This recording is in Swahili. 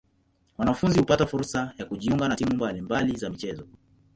Wanafunzi hupata fursa ya kujiunga na timu mbali mbali za michezo.